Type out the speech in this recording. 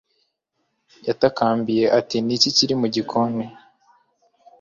yatakambiye ati niki kiri mu gikoni